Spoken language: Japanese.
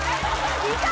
いた！